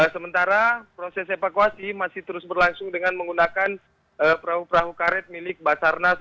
sementara proses evakuasi masih terus berlangsung dengan menggunakan perahu perahu karet milik basarnas